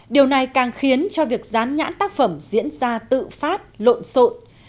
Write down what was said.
điều này càng khiến cho việc dán nhãn tác phẩm diễn ra tự phát lộn xộn